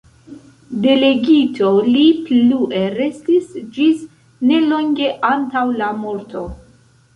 Delegito li plue restis ĝis nelonge antaŭ la morto.